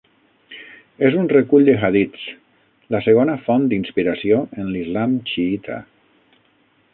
És un recull de hadits, la segona font d'inspiració en l'Islam xiïta.